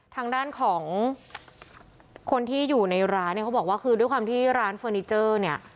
ทางด้านของคนที่อยู่ในร้านเนี่ยเขาบอกว่าคือด้วยความที่ร้านเฟอร์นิเจอร์เนี่ย